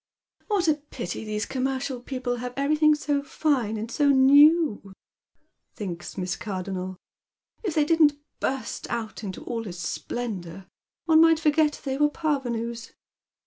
" What a pity these commercial people have everything so fine ind 80 new 1 " thinks Miss Cardonuel. " If they didn't burst out into all this splendour one might forget they were parvenus.